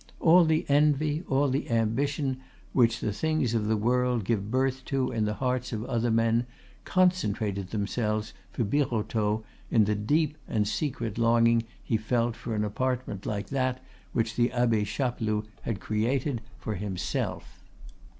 All the envy, all the ambition which the things of this world give birth to in the hearts of other men concentrated themselves for Birotteau in the deep and secret longing he felt for an apartment like that which the Abbe Chapeloud had created for himself.